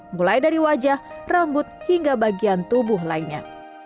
mulai dari wajah rambut hingga bagian tubuh lainnya